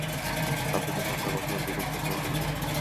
কাফেরদের সংখ্যা কোথাও দ্বিগুণ, কোথাও তিনগুণ।